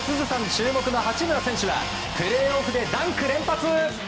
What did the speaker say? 注目の八村選手はプレーオフでダンク連発！